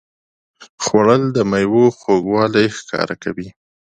خوړل د میوو خوږوالی ښکاره کوي